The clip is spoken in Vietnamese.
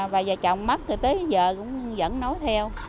bà và chồng mất rồi tới giờ cũng vẫn nói theo